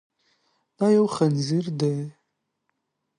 دا یو ځنځیر دی.